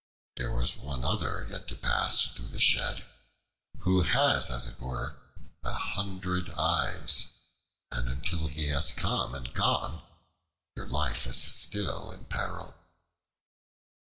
There is one other yet to pass through the shed, who has as it were a hundred eyes, and until he has come and gone, your life is still in peril."